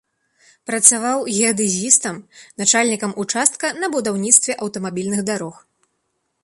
Працаваў геадэзістам, начальнікам участка на будаўніцтве аўтамабільных дарог.